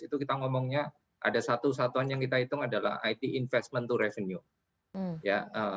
itu kita ngomongnya ada satu satuan yang kita hitung adalah it investment to revenue